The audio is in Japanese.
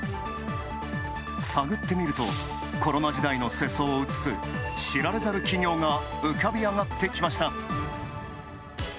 探ってみると、コロナ時代の世相をうつす知られざる企業が浮かび上がってきました。